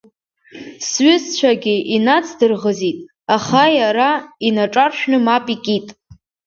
Сҩызцәагьы инацдырӷызит, аха иара инаҿаршәны мап икит.